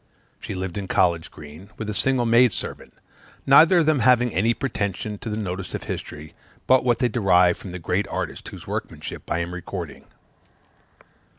She lived in College Green, with a single maid servant, neither of them having any pretension to the notice of history but what they derived from the great artist whose workmanship I am recording.